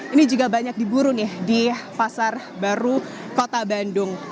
ini juga banyak diburu nih di pasar baru kota bandung